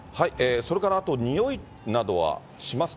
それからあと、臭いなどはしますか？